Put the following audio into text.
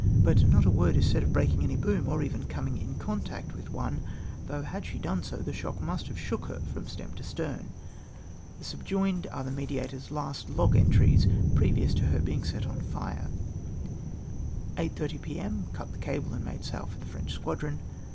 but not a word is said of breaking any boom, or even coming in contact with one, thouoli had she done so the shock must have shook her from stem to stern. The subjoined are the Mediatofs last log entries previous to her being set on lire. "8 30 P.M. Cut the cable and made sail for the French squadron.